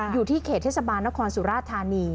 อยู่ที่เขดเทศสบายนครอสุราสตร์ธาริย์